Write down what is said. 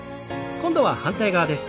今度は反対側です。